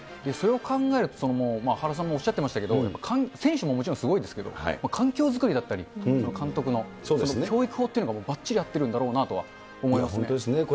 それを考えると、原さんもおっしゃっていましたけれども、選手ももちろん、すごいですけど、環境作りだったり、監督の、その教育法というのがばっちり合ってるんだろうなとは思いますね。